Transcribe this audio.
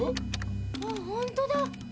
ほんとだ！